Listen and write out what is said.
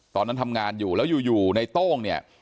ตอนนั้นทำงานอยู่แล้วอยู่ในโต้งเนี่ย